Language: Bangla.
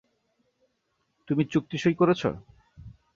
তুমি চুক্তি সই করেছ?